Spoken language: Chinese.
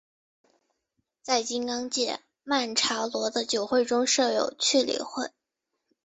在金刚界曼荼罗的九会中设有理趣会。